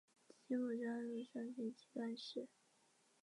许世英人。